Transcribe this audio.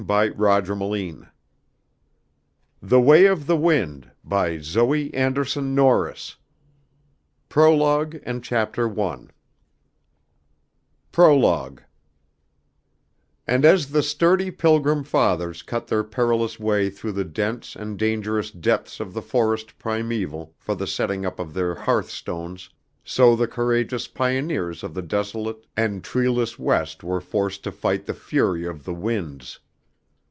By Zoe Anderson Norris. Office of the East Side Magazine, 338 East 15th St., New York PROLOGUE And as the sturdy Pilgrim Fathers cut their perilous way through the dense and dangerous depths of the Forest Primeval for the setting up of their hearthstones, so the courageous pioneers of the desolate and treeless West were forced to fight the fury of the winds.